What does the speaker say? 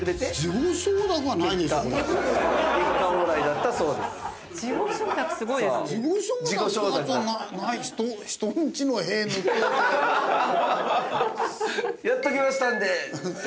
波の文様やっときましたんで」。